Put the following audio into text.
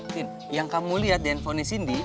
tin yang kamu lihat di handphone nya sindi